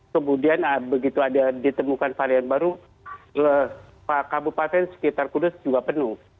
kemudian begitu ada ditemukan varian baru kabupaten sekitar kudus juga penuh